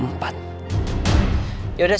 ya udah saya berangkat